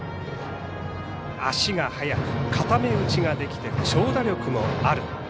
足が速く固め打ちができて長打力のある。